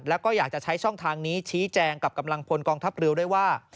แล้วก็อยากจะใช้ช่องทางนี้ชี้แจงกับกำลังพลกองทัพเรือด้วยว่า